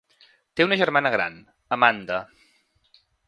Té una germana gran, Amanda.